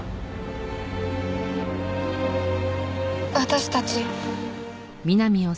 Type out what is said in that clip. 私たち。